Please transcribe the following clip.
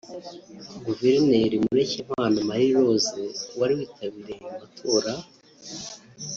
Guverineri Mureshyankwano Marie Rose wari yitabiriye ayo matora